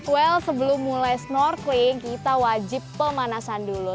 well sebelum mulai snorkeling kita wajib pemanasan dulu